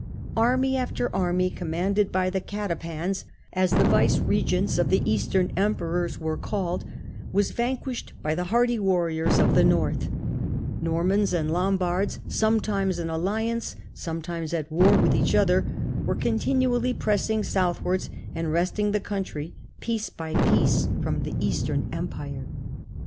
Army after army com manded by the catapans, as the vice gerents of the Eastern emperors were called, was vanquished by the hardy warriors of the North ; Normans and Lombards, sometimes in alliance, sometimes at war with each other, were continually pressing southwards and wrest ing the country, piece by piece, from the Eastern Em pire.